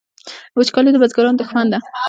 وچکالي د بزګرانو دښمن ده